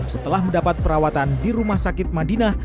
setelah mendapat perawatan di rumah sakit madinah